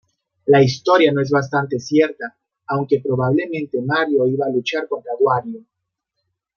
La historia no es bastante cierta, aunque probablemente Mario iba a luchar contra Wario.